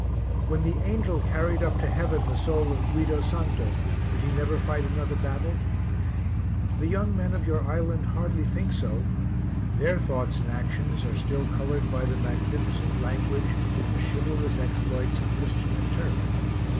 When the angel carried up to heaven the soul of Guido Santo, did he never fight another battle? The young men of your island hardly think so; their thoughts and actions are still coloured by the magnificent language and the chivalrous exploits of Christian and Turk.